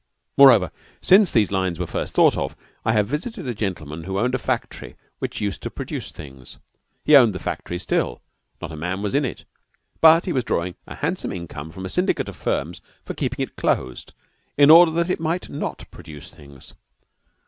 Moreover, since these lines were first thought of, I have visited a gentleman who owned a factory which used to produce things. He owned the factory still. Not a man was in it, but he was drawing a handsome income from a syndicate of firms for keeping it closed, in order that it might not produce things.